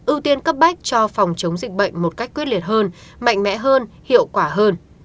ưu tiên cấp bách cho phòng chống dịch bệnh một cách quyết liệt hơn mạnh mẽ hơn hiệu quả hơn